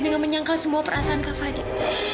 dengan menyangkal semua perasaan ke fadil